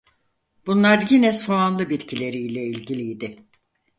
Bunlar yine soğanlı bitkiler ile ilgiliydi.